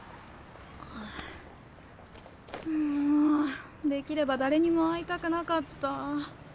もうできれば誰にも会いたくなかった。